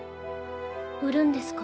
売るんですか？